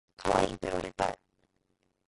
かわいいと言われたい